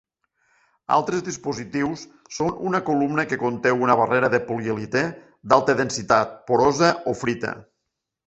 Altres dispositius són una columna que conté una barrera de polietilè d'alta densitat porosa o frita.